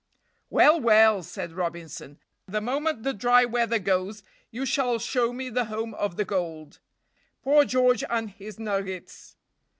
"Well! well!" said Robinson, "the moment the dry weather goes you shall show me the home of the gold." Poor George and his nuggets!